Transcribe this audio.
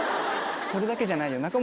それだけじゃないよ。